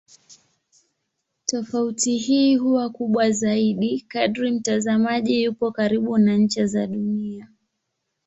Tofauti hii huwa kubwa zaidi kadri mtazamaji yupo karibu na ncha za Dunia.